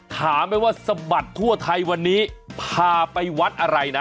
ถามไหมว่าสะบัดทั่วไทยวันนี้พาไปวัดอะไรนะ